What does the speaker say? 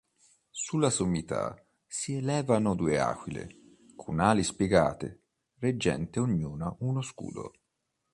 Sulla sommità si elevano due aquile, con ali spiegate, reggente ognuna uno scudo.